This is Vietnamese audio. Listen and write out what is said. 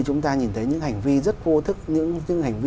cộng hưởng một sự cộng hưởng